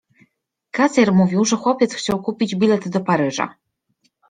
Kasjer mówił, że chłopiec chciał kupić bilet do Paryża.